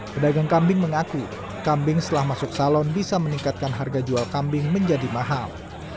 pedagang kambing mengaku kambing setelah masuk salon bisa meningkatkan harga jual kambing menjadi mahal